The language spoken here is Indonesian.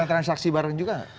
bisa transaksi bareng juga